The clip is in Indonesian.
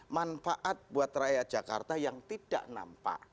manfaat buat rakyat jakarta yang tidak nampak